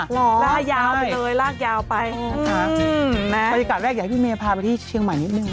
บรรยากาศแรกอยากให้พี่เมย์พาไปที่เชียงใหม่นิดหนึ่ง